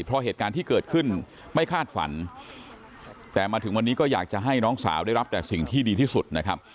เพราะเหตุการณ์ที่เกิดขึ้นไม่คาดฝันแต่มาถึงวันนี้ก็อยากจะให้น้องสาวได้รับแต่สิ่งที่ดีที่สุดนะครับ